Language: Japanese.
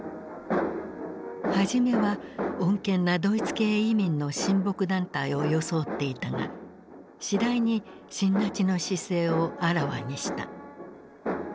初めは穏健なドイツ系移民の親睦団体を装っていたが次第に親ナチの姿勢をあらわにした。